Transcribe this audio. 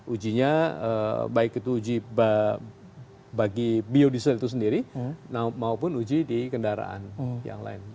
ujinya baik itu uji bagi biodiesel itu sendiri maupun uji di kendaraan yang lain